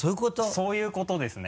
そういうことですね。